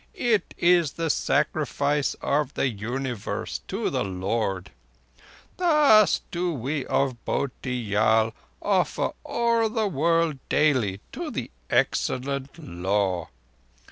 It is the Sacrifice of the Universe to the Lord. Thus do we of Bhotiyal offer all the world daily to the Excellent Law.